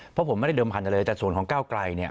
เพราะผมไม่ได้เดิมพันธุ์เลยแต่ส่วนของก้าวไกลเนี่ย